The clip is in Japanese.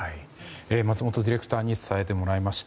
松本ディレクターに伝えてもらいました。